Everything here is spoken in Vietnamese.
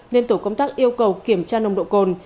nên tổ công tác yêu cầu kiểm tra nồng độ cồn